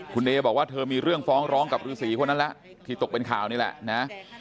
คุณเอบอกว่าเธอมีเรื่องฟ้องร้องกับฤษีคนนั้นแล้วที่ตกเป็นข่าวนี่แหละนะ